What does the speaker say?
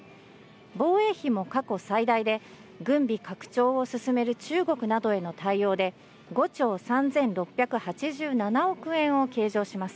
防衛費も過去最大で、軍備拡張を進める中国などへの対応で５兆３６８７億円を計上します。